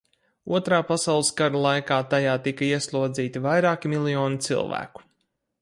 Otrā pasaules kara laikā tajā tika ieslodzīti vairāki miljoni cilvēku.